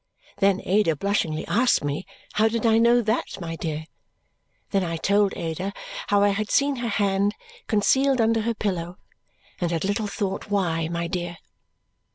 Then Ada blushingly asked me how did I know that, my dear. Then I told Ada how I had seen her hand concealed under her pillow and had little thought why, my dear.